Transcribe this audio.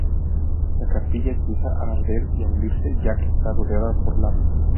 La capilla empieza a arder y a hundirse, ya que está rodeada por lava.